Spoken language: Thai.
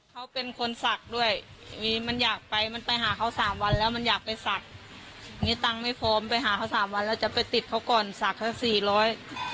เขาเป็นคนศักดิ์ด้วยมีมันอยากไปมันไปหาเขาสามวันแล้วมันอยากไปศักดิ์มีตังค์ไม่พร้อมไปหาเขาสามวันแล้วจะไปติดเขาก่อนศักดิ์เขาสี่ร้อย